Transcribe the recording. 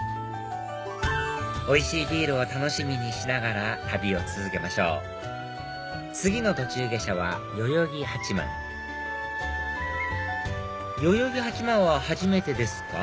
おいしいビールを楽しみにしながら旅を続けましょう次の途中下車は代々木八幡代々木八幡は初めてですか？